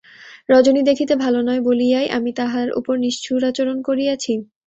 রজনী দেখিতে ভালো নয় বলিয়াই আমি তাহার উপর নিষ্ঠুরাচরণ করিয়াছি?